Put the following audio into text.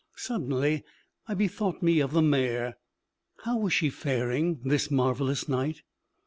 Suddenly I bethought me of the mare. How was she faring, this marvelous night?